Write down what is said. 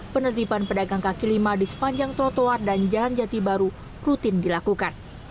penertiban pedagang kaki lima di sepanjang trotoar dan jalan jati baru rutin dilakukan